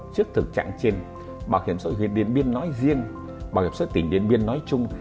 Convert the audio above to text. trước thực trạng trên bảo hiểm xã hội huyện điện biên nói riêng bảo hiểm xã hội tỉnh điện biên nói chung